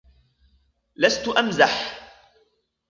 لستُ أمزح!